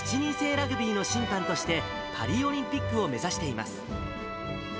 ラグビーの審判として、パリオリンピックを目指しています。